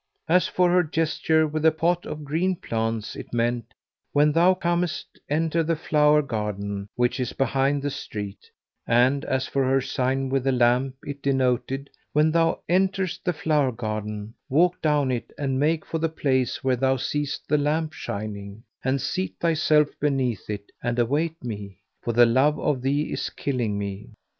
As for her gesture with the pot of green plants it meant, When thou comest, enter the flower garden which is behind the street; and as for her sign with the lamp it denoted, When thou enterest the flower garden walk down it and make for the place where thou seest the lamp shining; and seat thyself beneath it and await me; for the love of thee is killing me."